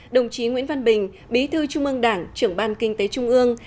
đồng chí nguyễn văn bình bí thư trung ương đảng trưởng ban kinh tế trung ương